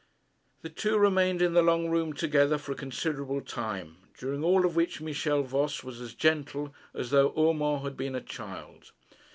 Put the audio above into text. They two remained in the long room together for a considerable time, during all of which Michel Voss was as gentle as though Urmand had been a child.